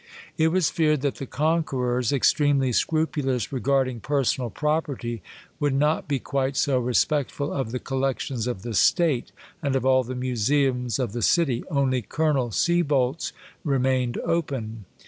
It was feared that the conquerors, extremely scrupulous regarding personal property, would not be quite so respectful of the collections of the State, and of all the museums of the city, only Colonel Sieboldt's re mained open.